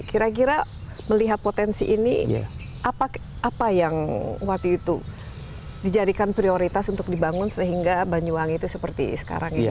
kira kira melihat potensi ini apa yang waktu itu dijadikan prioritas untuk dibangun sehingga banyuwangi itu seperti sekarang ini